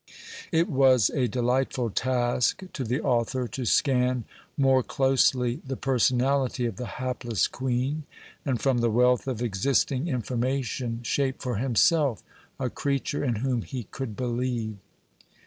It was a delightful task to the author to scan more closely the personality of the hapless Queen, and from the wealth of existing information shape for himself a creature in whom he could believe.